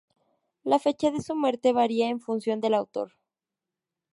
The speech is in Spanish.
La fecha de su muerte varía en función del autor.